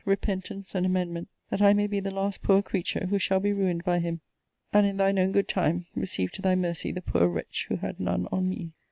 repentance and amendment; that I may be the last poor creature, who shall be ruined by him! and, in thine own good time, receive to thy mercy the poor wretch who had none on me!